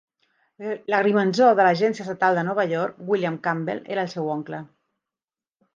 L'agrimensor de l'agència estatal de Nova York, William Campbell, era el seu oncle.